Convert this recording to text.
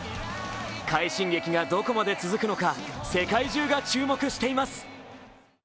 快進撃がどこまで続くのか世界中が注目しています。